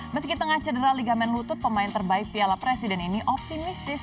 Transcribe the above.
meski tengah cedera ligamen lutut pemain terbaik piala presiden ini optimistis